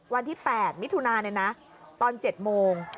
วันที่๘มิถุนาเนี่ยนะตอน๗โมง